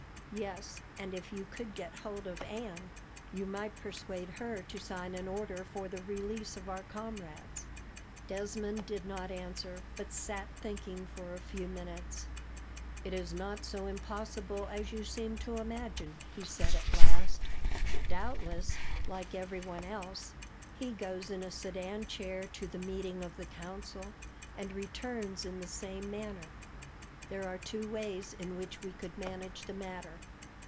"Yes; and if you could get hold of Anne, you might persuade her to sign an order for the release of our comrades." Desmond did not answer, but sat thinking for a few minutes. "It is not so impossible as you seem to imagine," he said, at last. "Doubtless, like everyone else, he goes in a sedan chair to the meeting of the council, and returns in the same manner. There are two ways in which we could manage the matter.